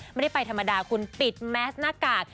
ไม่ได้ไปธรรมดาคุณปิดแมสหน้ากาก